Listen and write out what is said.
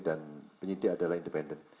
dan penyidik adalah independen